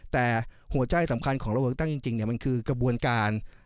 แต่หัวใจสำคัญของระบบเลือกตั้งจริงเนี่ยมันคือกระบวนการ